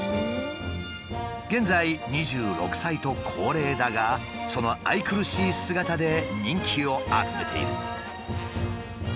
現在２６歳と高齢だがその愛くるしい姿で人気を集めている。